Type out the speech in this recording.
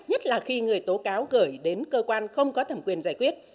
nhất là khi người tố cáo gửi đến cơ quan không có thẩm quyền giải quyết